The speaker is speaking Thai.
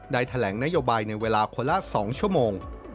แถลงนโยบายในเวลาคนละ๒ชั่วโมง